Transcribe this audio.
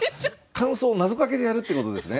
感想をなぞかけでやるってことですね？